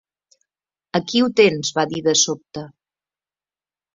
"Aquí ho tens!" va dir de sobte.